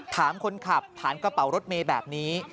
ถามคนขับผ่านกระเป๋ารถเมย์แบบนี้